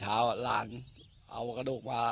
ล้านใส่บนผมเอาเข้ามา